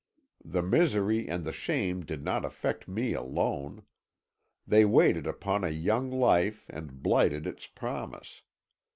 The misery and the shame did not affect me alone; they waited upon a young life and blighted its promise.